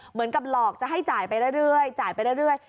เหมือนกับหลอกจะให้จ่ายไปเรื่อย